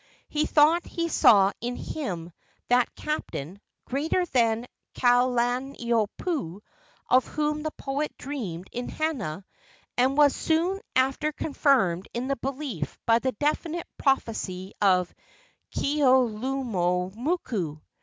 He thought he saw in him that captain, greater than Kalaniopuu, of whom the poet dreamed in Hana, and was soon after confirmed in the belief by the definite prophecy of Keaulumoku.